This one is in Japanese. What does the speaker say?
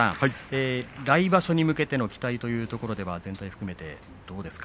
来場所に向けての期待というところでは全体を含めてどうですか。